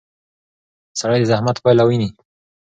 سړی د زحمت پایله ویني